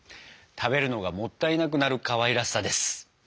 食べるのがもったいなくなるかわいらしさです。